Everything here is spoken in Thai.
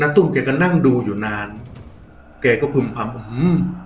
น้ำตุ้นแกก็นั่งดูอยู่นานแกก็คิมภัมษ์ว่าหื้ม